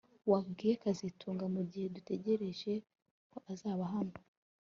Wabwiye kazitunga mugihe dutegereje ko azaba hano